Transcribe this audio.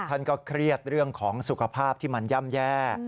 ท่านก็เครียดเรื่องของสุขภาพที่มันย่ำแย่